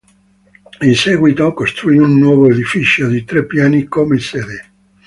In seguito costruì un nuovo edificio di tre piani come sede.